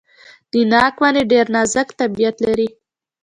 د ناک ونې ډیر نازک طبیعت لري.